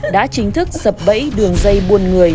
đã chính thức sập bẫy đường dây buồn người